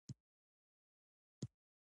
دا ځانګړي خدمتونه وړاندې کوي.